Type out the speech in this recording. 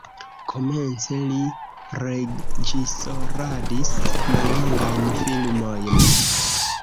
Komence li reĝisoradis mallongajn filmojn.